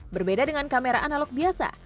berbeda dengan kamera analog biasa